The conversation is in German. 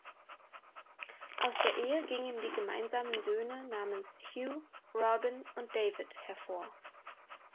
Aus der Ehe gingen die gemeinsamen Söhne namens Hugh, Robin und David hervor.